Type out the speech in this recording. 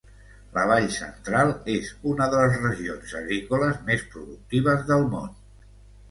La Vall Central és una de les regions agrícoles més productives del món.